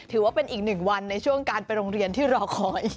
ถือว่าเป็นอีกหนึ่งวันในช่วงการไปโรงเรียนที่รอคอย